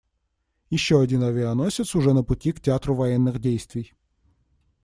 Еще один авианосец уже на пути к театру военных действий.